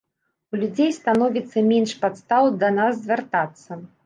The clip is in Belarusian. У людзей становіцца менш падстаў да нас звяртацца.